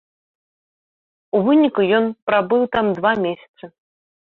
У выніку ён прабыў там два месяцы.